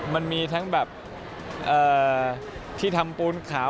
มันมีทั้งแบบที่ทำปูนขาว